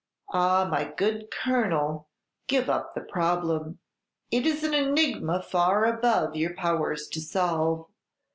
Ah, my good Colonel, give up the problem; it is an enigma far above your powers to solve.